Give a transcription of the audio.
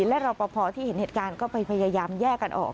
และรอปภที่เห็นเหตุการณ์ก็ไปพยายามแยกกันออก